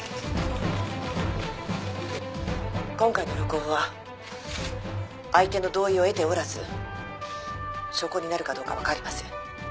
今回の録音は相手の同意を得ておらず証拠になるかどうか分かりません。